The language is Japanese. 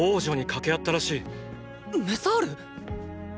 メサール⁉